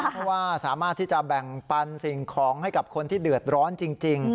เพราะว่าสามารถที่จะแบ่งปันสิ่งของให้กับคนที่เดือดร้อนจริง